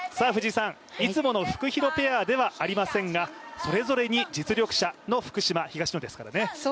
いつものフクヒロペアではありませんがそれぞれに実力者の福島・東野ですからね。